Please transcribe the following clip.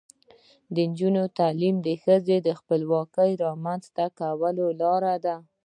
د نجونو تعلیم د ښځو خپلواکۍ رامنځته کولو لاره ده.